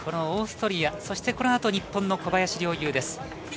オーストリア、そしてこのあと日本の小林陵侑です。